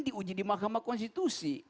diuji di mahkamah konstitusi